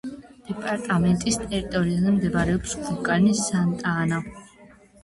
დეპარტამენტის ტერიტორიაზე მდებარეობს ვულკანი სანტა-ანა.